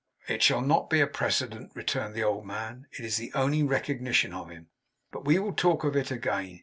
'It shall not be a precedent,' returned the old man. 'It is the only recognition of him. But we will talk of it again.